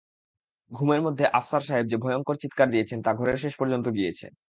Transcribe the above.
ঘুমের মধ্যে আফসার সাহেব যে ভয়ংকর চিৎকার দিয়েছেন তা ঘরের শেষ পর্যন্ত গিয়েছে।